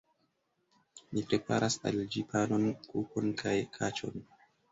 Ni preparas el ĝi panon, kukon kaj kaĉon.